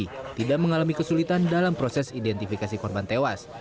berita terkini mengenai pencarian korban tewas